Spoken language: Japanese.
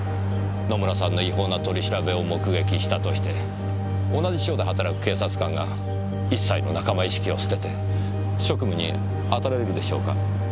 野村さんの違法な取り調べを目撃したとして同じ署で働く警察官が一切の仲間意識を捨てて職務にあたれるでしょうか。